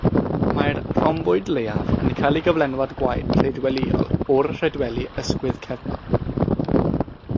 Mae'r rhomboid leiaf yn cael ei gyflenwad gwaed rhedwelïol o'r rhedweli ysgwydd cefnol.